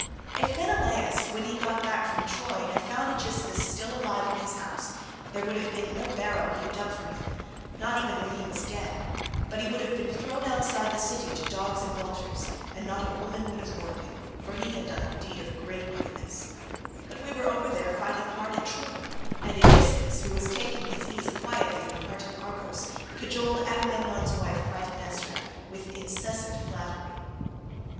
If Menelaus when he got back from Troy had found Aegisthus still alive in his house, there would have been no barrow heaped up for him, not even when he was dead, but he would have been thrown outside the city to dogs and vultures, and not a woman would have mourned him, for he had done a deed of great wickedness; but we were over there, fighting hard at Troy, and Aegisthus, who was taking his ease quietly in the heart of Argos, cajoled Agamemnon's wife Clytemnestra with incessant flattery.